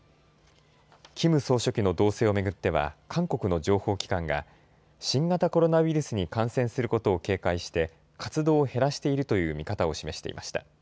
キム総書記の動静を巡っては韓国の情報機関が新型コロナウイルスに感染することを警戒して活動を減らしているという見方を示していました。